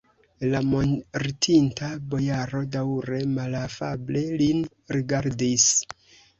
La mortinta bojaro daŭre malafable lin rigardis.